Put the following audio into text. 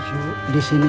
papa duduk disini ya